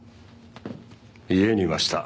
家にいました。